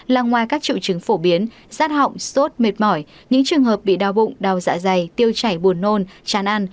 là ngoài các trợ chứng phổ biến như rát học sốt mệt mỏi những trường hợp bị đau bụng đau dạ dày tiêu chảy buồn nôn chán ăn